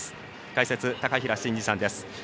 解説、高平慎士さんです。